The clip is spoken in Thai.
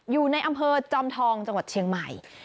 อยู่ในอำเภอจอมทองจังหวัดเชียงใหม่